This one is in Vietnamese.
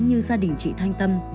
như gia đình chị thanh tâm